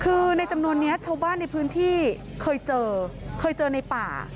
คือในจำนวนนี้ชาวบ้านในพื้นที่เคยเจอเคยเจอในป่า